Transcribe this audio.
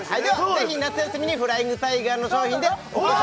ぜひ夏休みにフライングタイガーの商品でほら！